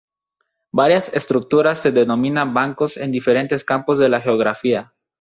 Varias estructuras se denominan bancos en diferentes campos de la geografía.